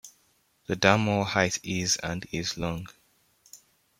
The dam wall height is and is long.